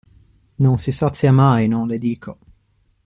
Non si sazia mai, non le dico.